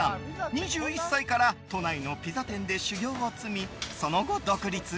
２１歳から都内のピザ店で修業を積み、その後独立。